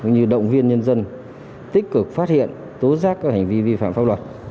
như động viên nhân dân tích cực phát hiện tố giác các hành vi vi phạm pháp luật